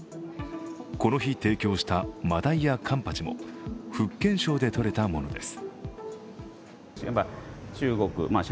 この日提供したマダイやカンパチも福建省でとれたものです。